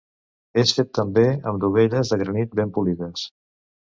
És fet també amb dovelles de granit ben polides.